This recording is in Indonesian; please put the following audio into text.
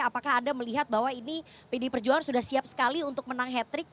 apakah anda melihat bahwa ini pdi perjuangan sudah siap sekali untuk menang hat trick